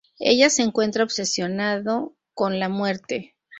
Ella se encuentra obsesionado con la muerte.